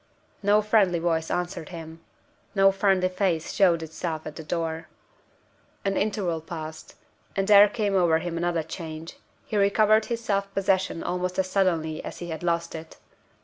No friendly voice answered him. No friendly face showed itself at the door. An interval passed; and there came over him another change. He recovered his self possession almost as suddenly as he had lost it.